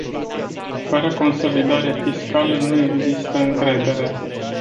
Fără consolidare fiscală nu există încredere.